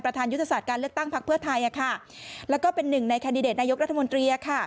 ยุทธศาสตร์การเลือกตั้งพักเพื่อไทยแล้วก็เป็นหนึ่งในแคนดิเดตนายกรัฐมนตรี